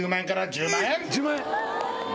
１０万円！